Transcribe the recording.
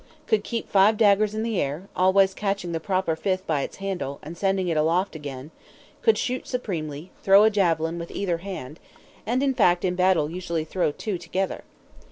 Could keep five daggers in the air, always catching the proper fifth by its handle, and sending it aloft again; could shoot supremely, throw a javelin with either hand; and, in fact, in battle usually throw two together.